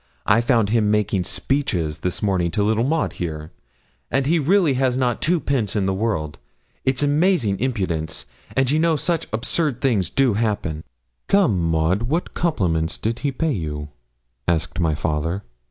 I found him making speeches, this morning, to little Maud here; and he really has not two pence in the world it is amazing impudence and you know such absurd things do happen.' 'Come, Maud, what compliments did he pay you?' asked my father.